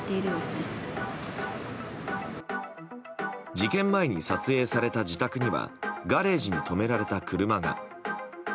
事件前に撮影された自宅にはガレージに止められた車が。